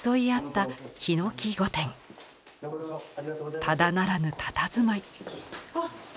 ただならぬたたずまい。